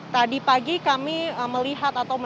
tadi pagi kami melihat atau